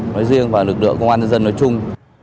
nói riêng và lực lượng công an nhân dân nói chung